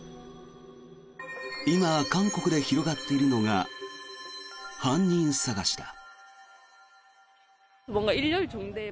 今、韓国で広がっているのが犯人捜しだ。